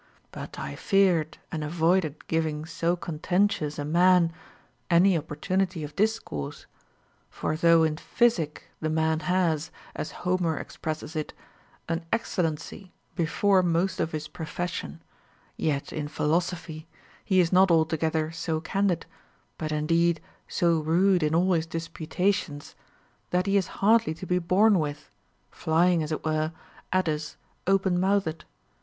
But I feared and avoided giving so contentious a man any opportunity of discourse ; for though in physic the man has (as Homer* expresses it) an excellency before most of his profession, yet in philosophy he is not altogether so candid, but indeed so rude in all his disputations, that he is hardly to be borne with, flying (as it were) at us open mouthed.